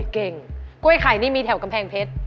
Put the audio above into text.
เก่งกล้วยไข่นี่มีแถวกำแพงเพชร